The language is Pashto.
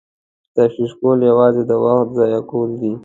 تشویش کول یوازې د وخت ضایع کول دي.